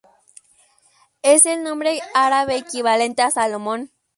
Es el nombre árabe equivalente a Salomón.